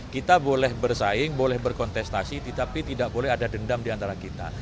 kita boleh bersaing boleh berkontestasi tetapi tidak boleh ada dendam diantara kita